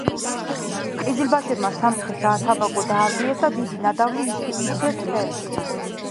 ყიზილბაშებმა სამცხე-საათაბაგო დაარბიეს და დიდი ნადავლი იგდეს ხელთ.